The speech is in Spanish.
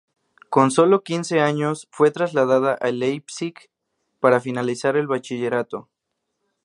Con solo quince años se traslada a Leipzig para finalizar el bachillerato.